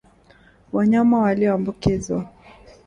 wanyama walioambukizwa